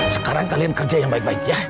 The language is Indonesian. sekarang kalian kerja yang baik baik ya